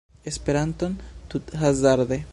Esperanton tuthazarde